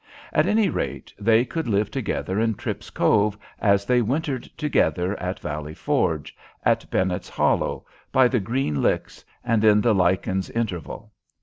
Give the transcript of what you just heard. At any rate, they could live together in Tripp's Cove, as they wintered together at Valley Forge, at Bennett's Hollow, by the Green Licks, and in the Lykens Intervale.